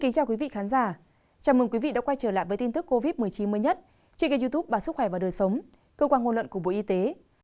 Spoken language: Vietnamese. chào mừng quý vị đã quay trở lại với tin tức covid một mươi chín mới nhất trên kênh youtube bà sức khỏe và đời sống cơ quan ngôn luận của bộ y tế